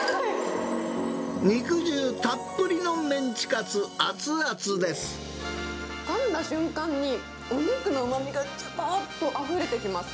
肉汁たっぷりのメンチカツ、かんだ瞬間に、お肉のうまみがじゅわーっとあふれてきます。